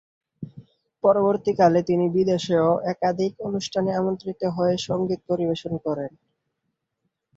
পরবর্তীকালে তিনি বিদেশেও একাধিক অনুষ্ঠানে আমন্ত্রিত হয়ে সঙ্গীত পরিবেশন করেন।